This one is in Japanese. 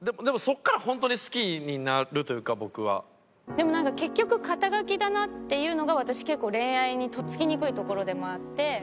でもなんか結局肩書だなっていうのが私結構恋愛にとっつきにくいところでもあって。